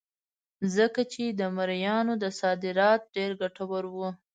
ځکه چې د مریانو صادرات ډېر ګټور وو.